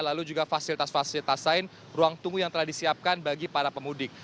lalu juga fasilitas fasilitas lain ruang tunggu yang telah disiapkan bagi para pemudik